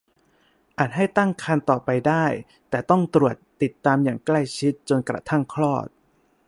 อาจให้ตั้งครรภ์ต่อไปได้แต่ต้องตรวจติดตามอย่างใกล้ชิดจนกระทั่งคลอด